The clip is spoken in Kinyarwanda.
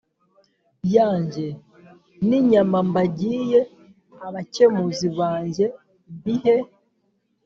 Yanjye n inyama mbagiye abakemuzi banjye mbihe